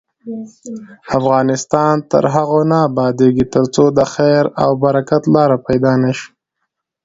افغانستان تر هغو نه ابادیږي، ترڅو د خیر او برکت لاره پیدا نشي.